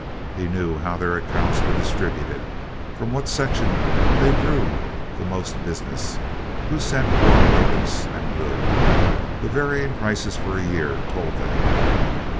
He knew how their accounts were distributed; from what section they drew the most business; who sent poor produce and good—the varying prices for a year told that.